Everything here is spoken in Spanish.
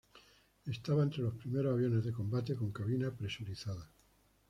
Estaba entre los primeros aviones de combate con cabina presurizada.